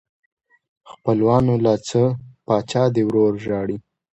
خپلوانو لا څه پاچا دې ورور ژاړي.